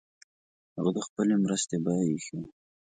هغه د خپلي مرستي بیه ایښې وه.